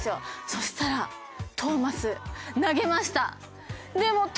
そしたらトーマス投げました。